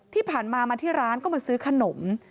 ที่ผ่านมามาที่ร้านก็มาซื้อขนม